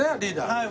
はい。